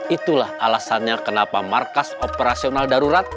itulah alasannya kenapa markas operasional darurat